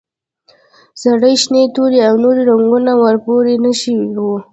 سرې، شنې، تورې او نورې رنګونه ور پورې نښتي وو.